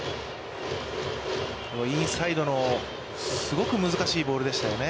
インサイドのすごく難しいボールでしたよね。